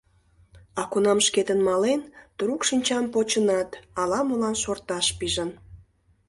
А кунам шкетын мален, трук шинчам почынат, ала-молан шорташ пижын.